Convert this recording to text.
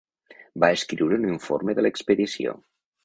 Va escriure un informe de l'expedició.